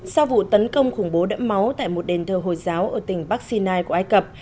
sau vụ tấn công khủng bố đẫm máu tại một đền thờ hồi giáo ở tỉnh bắc sinai của ai cập